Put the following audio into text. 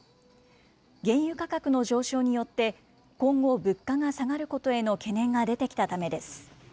原油価格の上昇によって、今後物価が下がることへの懸念が出てきたためです。